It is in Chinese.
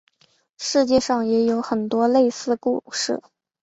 世界上也有很多类似的故事。